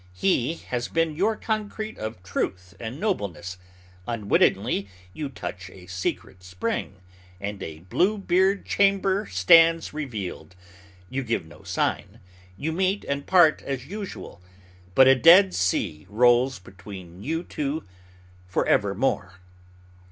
He has been your concrete of truth and nobleness. Unwittingly you touch a secret spring, and a Blue Beard chamber stands revealed. You give no sign; you meet and part as usual; but a Dead Sea rolls between you two forevermore.